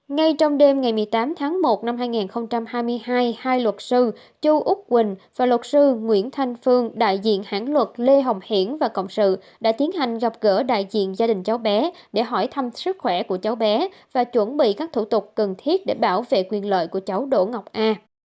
ngay trong đêm ngày một mươi tám tháng một năm hai nghìn hai mươi hai hai luật sư chu úc quỳnh và luật sư nguyễn thanh phương đại diện hãng luật lê hồng hiển và cộng sự đã tiến hành gặp gỡ đại diện gia đình cháu bé để hỏi thăm sức khỏe của cháu bé và chuẩn bị các thủ tục cần thiết để bảo vệ quyền lợi của cháu đỗ ngọc a